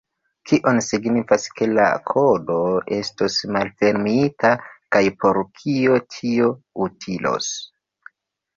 Kion signifas ke la kodo estos malfermita, kaj por kio tio utilos?